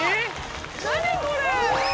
何これ。